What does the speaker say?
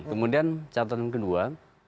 kemudian catatan kedua